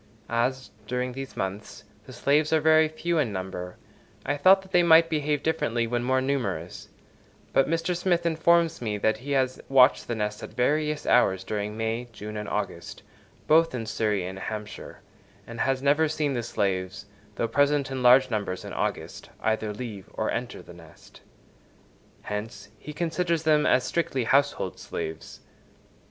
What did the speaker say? As, during these months, the slaves are very few in number, I thought that they might behave differently when more numerous; but Mr. Smith informs me that he has watched the nests at various hours during May, June and August, both in Surrey and Hampshire, and has never seen the slaves, though present in large numbers in August, either leave or enter the nest. Hence, he considers them as strictly household slaves.